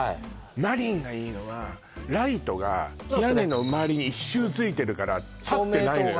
マリンがいいのはライトが屋根の周りに１周ついてるから立ってないのよ